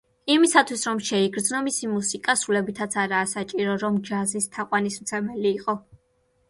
იმისათვის რომ შეიგრძნო მისი მუსიკა, სრულებითაც არაა საჭირო რომ ჯაზის თაყვანისმცემელი იყო.